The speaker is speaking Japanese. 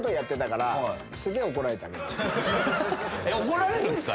怒られるんすか？